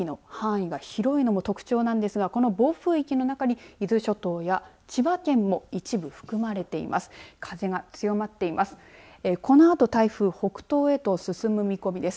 その暴風域の範囲が広いのも特徴ですが暴風域の中に伊豆諸島や千葉県も一部含まれています。